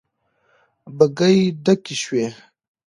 بګۍ ډکې شوې.